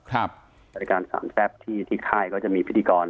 รายการสามแซ่บที่ค่ายก็จะมีพิธีกร